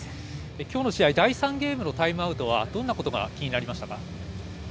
きょうの試合、第３ゲームのタイムアウトは、どんなことが気になりましたか。